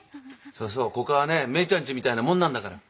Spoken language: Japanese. そうそうここはねメイちゃんちみたいなもんなんだからな。